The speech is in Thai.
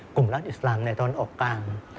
กลุ่มรัฐอิสลามในตะวันออกกลาง